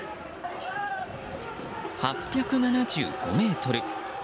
８７５ｍ。